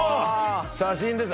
写真です